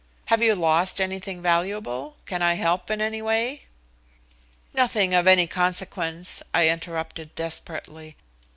"Have you lost anything valuable? Can I help in any way?" "Nothing of any consequence," I interrupted desperately.